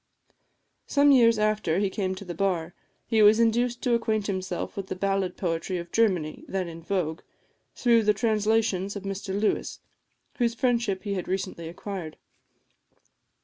Some years after he came to the bar, he was induced to acquaint himself with the ballad poetry of Germany, then in vogue, through the translations of Mr Lewis, whose friendship he had recently acquired.